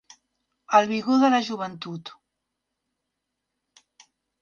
El vigor de la joventut.